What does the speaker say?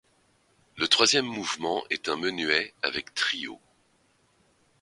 Le troisième mouvement est un menuet avec trio.